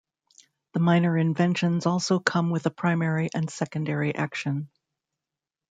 The minor inventions also come with a primary and secondary action.